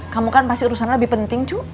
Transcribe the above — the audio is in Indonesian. kamu kan pasti urusannya lebih penting cu